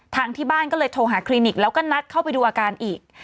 ที่บ้านก็เลยโทรหาคลินิกแล้วก็นัดเข้าไปดูอาการอีก